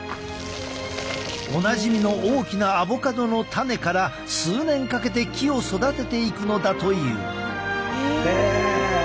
おなじみの大きなアボカドの種から数年かけて木を育てていくのだという。